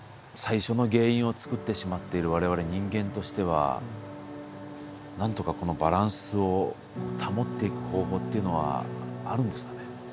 最初の原因を作ってしまっている我々人間としてはなんとかこのバランスを保っていく方法っていうのはあるんですかね？